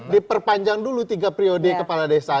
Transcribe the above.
diperpanjang dulu tiga periode kepala desa